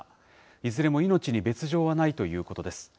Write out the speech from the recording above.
いずれも命に別状はないということです。